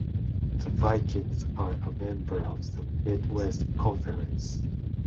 The Vikings are a member of the Midwest Conference.